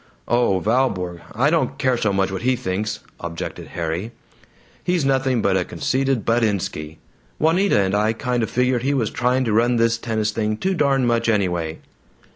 "Oh. Valborg. I don't care so much what he thinks," objected Harry. "He's nothing but a conceited buttinsky. Juanita and I kind of figured he was trying to run this tennis thing too darn much anyway."